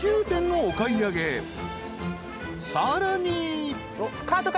［さらに］